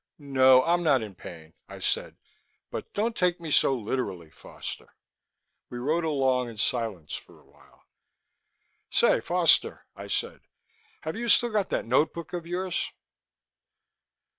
"No, I'm not in pain," I said. "But don't take me so literally, Foster." We rode along in silence for a while. "Say, Foster," I said. "Have you still got that notebook of yours?"